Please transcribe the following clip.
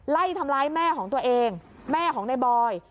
ไล่ทำร้ายแม่ของตัวเองแม่ของในบอย